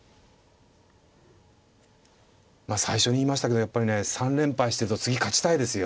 まあ最初に言いましたけどやっぱりね３連敗してると次勝ちたいですよ。